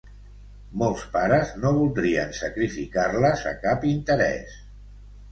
Molts pares no voldrien sacrificar-les a cap interès.